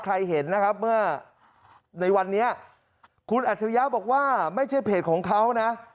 เห็นนะครับเมื่อในวันนี้คุณอัจฉริยะบอกว่าไม่ใช่เพจของเขานะ